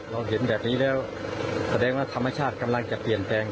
เราเห็นแบบนี้แล้วแสดงว่าธรรมชาติกำลังจะเปลี่ยนแปลง